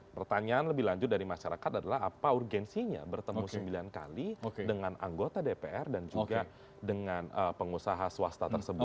pertanyaan lebih lanjut dari masyarakat adalah apa urgensinya bertemu sembilan kali dengan anggota dpr dan juga dengan pengusaha swasta tersebut